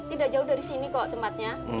tidak jauh dari sini kok tempatnya